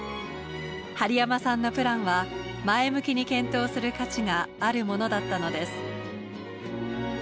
針山さんのプランは前向きに検討する価値があるものだったのです。